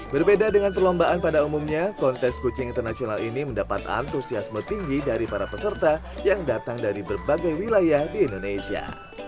berbeda dengan perlombaan pada umumnya kontes kucing internasional ini mendapat antusiasme tinggi dari para peserta yang datang dari berbagai wilayah di indonesia